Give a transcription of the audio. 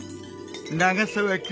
『永沢君』